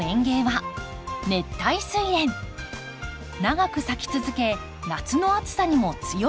長く咲き続け夏の暑さにも強い花です。